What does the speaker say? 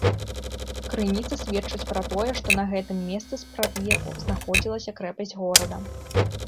Крыніцы сведчаць пра тое, што на гэтым месцы спрадвеку знаходзілася крэпасць горада.